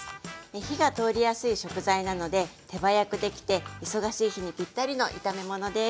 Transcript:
火が通りやすい食材なので手早くできて忙しい日にぴったりの炒め物です。